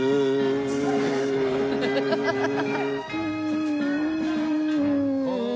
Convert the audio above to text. アハハハ。